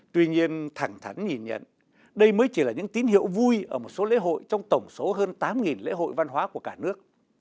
tuy nhiên thẳng thắn nhìn nhận đây mới chỉ là những tín hiệu vui ở một số lễ hội trong tổng số hơn tám lễ hội văn hóa của cả nước